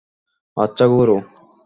আচ্ছা, গুরু!